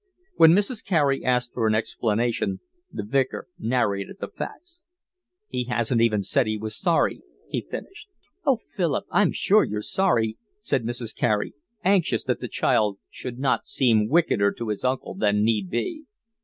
When Mrs. Carey asked for an explanation the Vicar narrated the facts. "He hasn't even said he was sorry," he finished. "Oh, Philip, I'm sure you're sorry," said Mrs. Carey, anxious that the child should not seem wickeder to his uncle than need be.